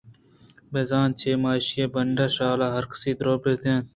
بِہ زاں چہ ما ایشی ءِبڈّ ءِ شال ءَ ہرکس دور بہ دنت